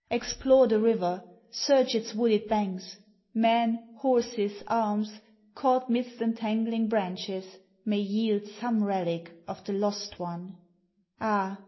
Explore the river! search its wooded banks; Men, horses, arms, caught 'midst entangling branches, May yield some relic of the lost one, Ah!